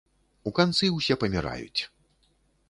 У канцы ўсе паміраюць.